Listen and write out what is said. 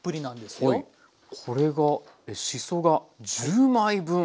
これがしそが１０枚分！